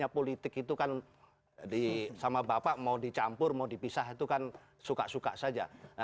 politik itu kan sama bapak mau dicampur mau dipisah itu kan suka suka saja